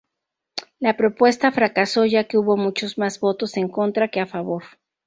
La propuesta fracasó ya que hubo muchos más votos en contra que a favor.